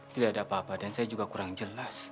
tidak ada apa apa dan saya juga kurang jelas